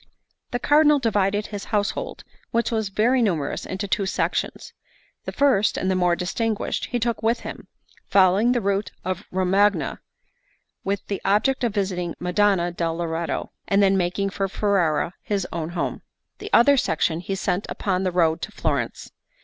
The Cardinal divided his household, which was very numerous, into two sections. The first, and the more distinguished, he took with him, following the route of Romagna, with the object of visiting Madonna del Loreto, and then making for Ferrara, his own home. The other section he sent upon the road to Florence.